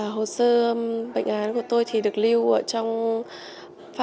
hồ sơ bệnh án của tôi được lưu trong phạm